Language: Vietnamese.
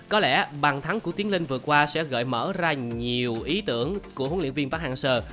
có lẽ bàn thắng của tiến linh vừa qua sẽ gợi mở ra nhiều ý tưởng của huấn luyện viên park hang seo